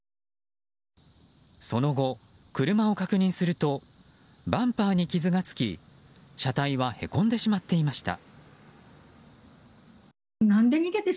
その後、車を確認するとバンパーに傷がつき車体はへこんでしまっていました。